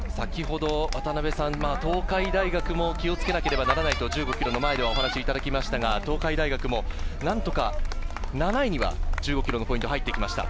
東海大学も気をつけなければならないと１５ｋｍの前でお話いただきましたが、東海大学も何とか７位には１５ｋｍのポイントに入ってきました。